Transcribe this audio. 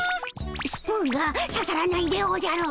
スプーンがささらないでおじゃる。